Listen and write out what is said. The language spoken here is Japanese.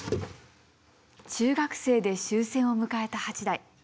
中学生で終戦を迎えた八大。